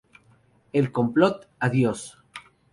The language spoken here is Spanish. El Complot ¡Adiós!